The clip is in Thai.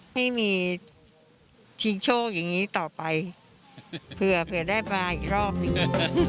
ให้มีชิงโชคอย่างนี้ต่อไปเผื่อได้มาอีกรอบหนึ่ง